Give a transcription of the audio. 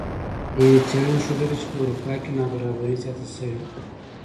یوې څیړنې ښودلې چې په اروپا کې نابرابري زیاته شوې